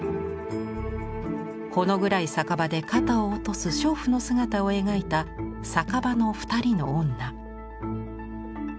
ほの暗い酒場で肩を落とす娼婦の姿を描いた「酒場の二人の女」。